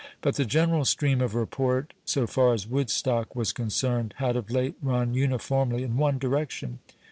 But the general stream of report, so far as Woodstock was concerned, had of late run uniformly in one direction.